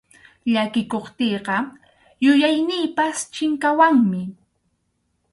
Llakikuptiyqa yuyayniypas chinkawanmi.